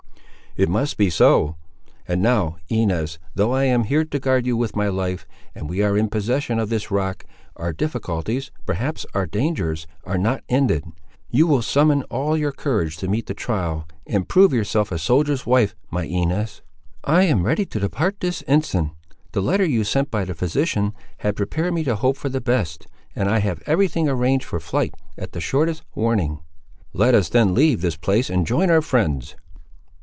"It must be so; and now, Inez, though I am here to guard you with my life, and we are in possession of this rock, our difficulties, perhaps our dangers, are not ended. You will summon all your courage to meet the trial and prove yourself a soldier's wife, my Inez?" "I am ready to depart this instant. The letter you sent by the physician, had prepared me to hope for the best, and I have every thing arranged for flight, at the shortest warning." "Let us then leave this place and join our friends."